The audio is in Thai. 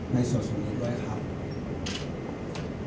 ในส่วนสักทีด้วยครับ